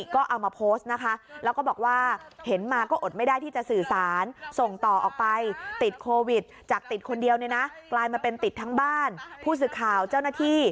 กลายมาเป็นติดทั้งบ้านผู้ศึกข่าวเจ้าหน้าที่